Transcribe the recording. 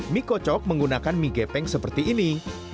mie kocok menggunakan mie gepeng seperti ini